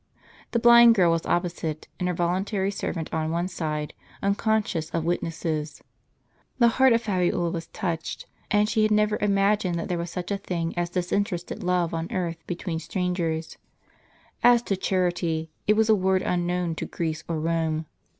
The blind girl was opposite, and her voluntary servant on one side, unconscious of witnesses. The heart of Fabiola was touched; she had never imagined that there was such a thing as disinterested love on earth between strangers ; as to charity, it was a word unknown to Greece or Kome.